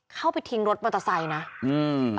เข้าไปทิ้งรถมอเตอร์ไซค์นะอืม